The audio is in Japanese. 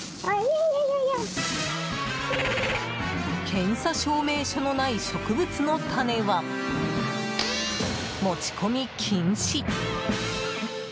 検査証明書のない植物の種は持ち込み禁止。